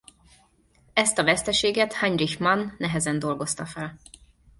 Ezt a veszteséget Heinrich Mann nehezen dolgozta fel.